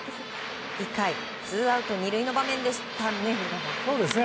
１回、ツーアウト２塁の場面でしたね。